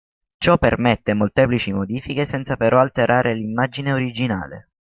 Ciò permette molteplici modifiche senza però alterare l'immagine originale.